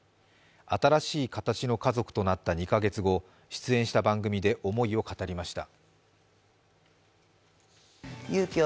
新しい形の家族となった２か月後、出演した番組で思いを語りました。